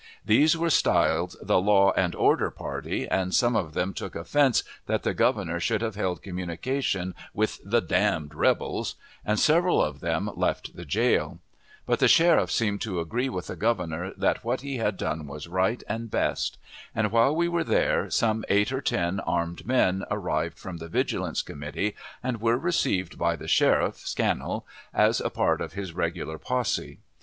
These were styled the "Law and Order party," and some of them took offense that the Governor should have held communication with the "damned rebels," and several of them left the jail; but the sheriff seemed to agree with the Governor that what he had done was right and best; and, while we were there, some eight or ten armed men arrived from the Vigilance Committee, and were received by the sheriff (Scannell) as a part of his regular posse.